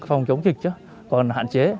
phòng chống dịch còn hạn chế